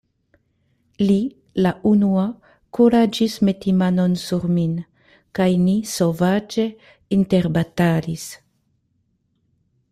Li la unua kuraĝis meti manon sur min, kaj ni sovaĝe interbatalis.